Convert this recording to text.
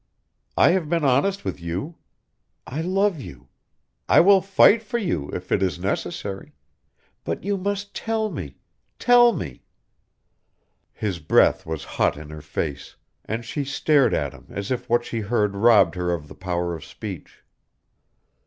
I have been honest with you. I love you. I will fight for you if it is necessary but you must tell me tell me " His breath was hot in her face, and she stared at him as if what she heard robbed her of the power of speech.